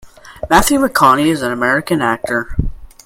Matthew McConaughey is an American actor.